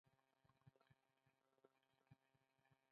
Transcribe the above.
پرځای یې خپل ابتکارات.